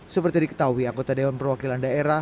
seperti diketahui anggota dewan perwakilan daerah